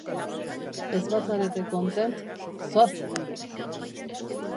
Ez ba zarete kontent, zoazte hemendik!